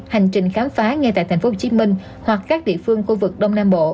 hành trình khám phá ngay tại thành phố hồ chí minh hoặc các địa phương khu vực đông nam bộ